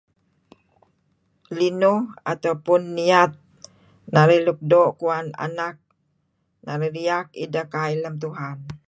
Linuh atau pun niyat narih luk doo' kuwan anak narih riyak ideh kail lem Tuhan.